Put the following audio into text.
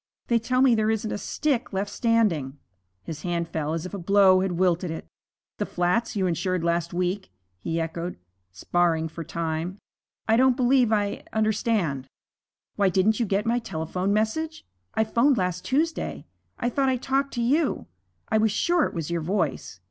They tell me there isn't a stick left standing.' His hand fell as if a blow had wilted it. 'The flats you insured last week ' he echoed, sparring for time. 'I don't believe I understand.' 'Why, didn't you get my telephone message? I 'phoned last Tuesday. I thought I talked to you. I was sure it was your voice.